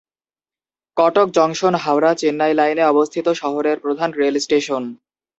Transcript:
Cuttack junction Howrah Chennai লাইনে অবস্থিত শহরের প্রধান রেল স্টেশন।